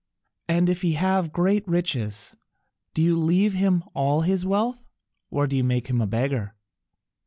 "And if he have great riches, to you leave him all his wealth, or do you make him a beggar?"